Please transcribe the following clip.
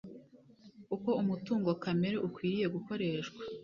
uko umutungo kamere ukwiriye gukoreshwa